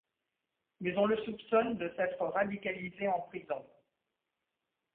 Mais on le soupçonne de s'être radicalisé en prison.